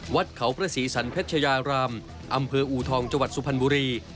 วัดเขาพระศรีสันเพชรยารามอำเภออูทองจังหวัดสุพรรณบุรี